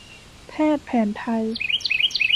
แพทย์แผนไทย